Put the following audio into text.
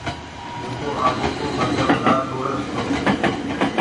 جيڪو آپوڪو مجهب نآ ڇوڙس تو